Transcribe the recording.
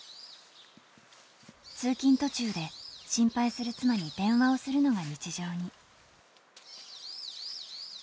通勤途中で、心配する妻に電話をするのが日常に。